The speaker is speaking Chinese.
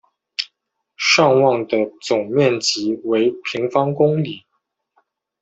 尚旺的总面积为平方公里。